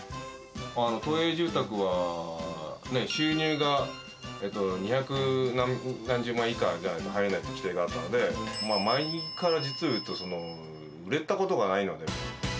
都営住宅は、収入が二百何十万以下じゃないと入れないという規定があったので、前から実をいうと売れたことがないので。